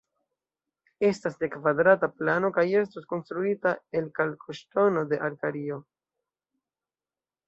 Estas de kvadrata plano kaj estos konstruita el kalkoŝtono de Alkario.